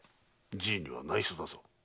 じいには内緒だぞ。